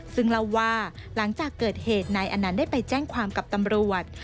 ซึ่งเล่าว่าหลังจากเกิดเหตุนายอนันต์ได้ไปแจ้งความกับตำรวจ